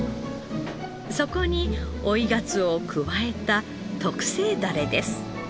そこに追いがつおを加えた特製ダレです。